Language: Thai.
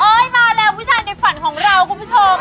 มาแล้วผู้ชายในฝันของเราคุณผู้ชม